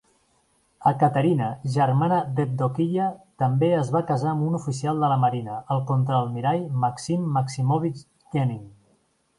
Ekaterina, germana d'Evdokiya, també es va casar amb un oficial de la marina, el Contraalmirall Maksim Maksimovich Genning.